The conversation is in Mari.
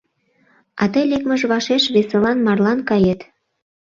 А тый лекмыж вашеш весылан марлан кает.